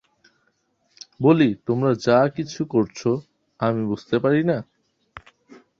বলি, তোমরা যা কিছু করছ, আমি বুঝতে পারি না।